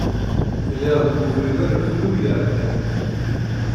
Lliɣ deg ubrid anebdu iɛeddan.